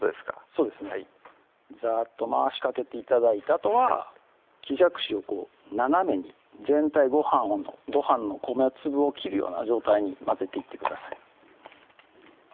そうですねザーッと回しかけて頂いてあとは木じゃくしをこう斜めに全体ご飯の米粒を切るような状態に混ぜていってください